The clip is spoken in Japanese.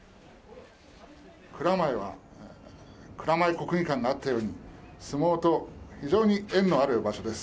蔵前は、蔵前国技館があったように、相撲と非常に縁のある場所です。